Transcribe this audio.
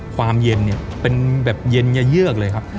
ความเย็นเป็นแบบเย็นเยื้อกเลยครับ